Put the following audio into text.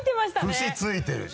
節ついてるし。